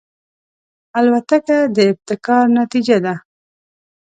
الوتکه د ابتکار نتیجه ده.